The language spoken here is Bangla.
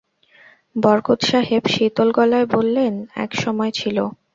বরকত সাহেব শীতল গলায় বললেন, এক সময় ছিল।